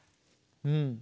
うん。